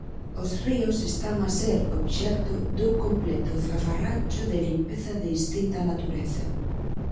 Os ríos están a ser obxecto dun completo zafarrancho de limpeza de distinta natureza